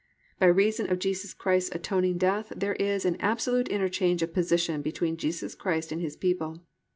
By reason of Jesus Christ's atoning death there is an absolute interchange of position between Jesus Christ and His people.